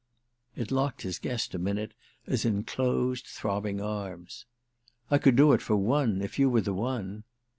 It locked his guest a minute as in closed throbbing arms. "I could do it for one, if you were the one."